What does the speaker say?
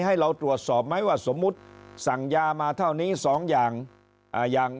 ให้เราตรวจสอบไหมสมมุติสั่งยามาที่นี้๒อย่าง